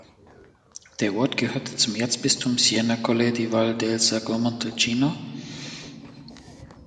Der Ort gehört zum Erzbistum Siena-Colle di Val d’Elsa-Montalcino.